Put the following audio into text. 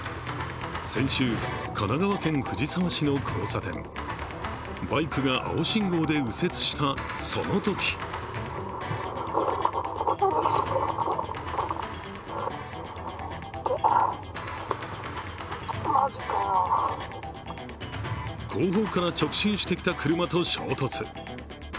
先週、神奈川県藤沢市の交差点、バイクが青信号で右折したそのとき後方から直進してきた車と衝突。